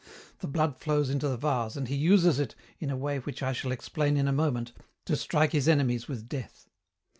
The blood flows into the vase and he uses it, in a way which I shall explain in a moment, to strike his enemies with death.